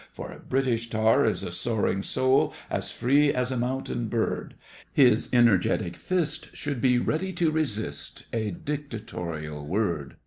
For a British tar is a soaring soul As free as a mountain bird! His energetic fist should be ready to resist A dictatorial word!